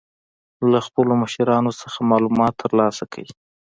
له خپلو مشرانو څخه معلومات تر لاسه کړئ.